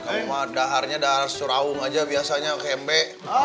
kamu mah daharnya dahar seuraung aja biasanya kembik